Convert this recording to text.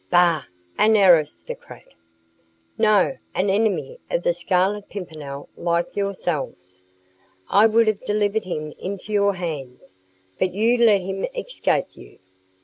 "Bah! An aristocrat!" "No! An enemy of the Scarlet Pimpernel, like yourselves. I would have delivered him into your hands. But you let him escape you.